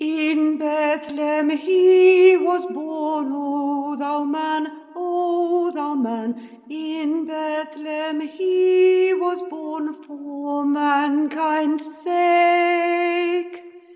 In Bethlehem He was born, O thou Man: In Bethlehem He was born, For mankind's sake.